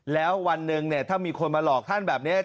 แล้ววันหนึ่งถ้ามีคนมาหลอกท่านแบบนี้